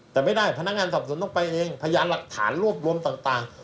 แต่ไม่ได้ที่พนักงานต้องไปเองพยายามหลักฐานร่วมต่าง